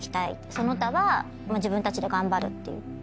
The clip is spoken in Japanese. その他は自分たちで頑張るって言って。